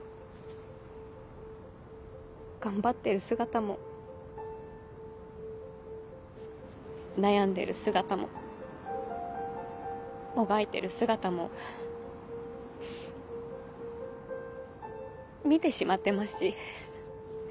頑張ってる姿も悩んでる姿ももがいてる姿も見てしまってますし。